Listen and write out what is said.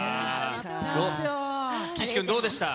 岸君どうでした？